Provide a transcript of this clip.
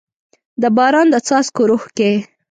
د باران د څاڅکو روح کې